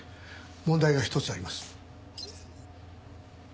問題が１つあります。